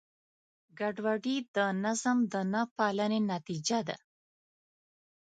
ګډوډي د نظم د نهپالنې نتیجه ده.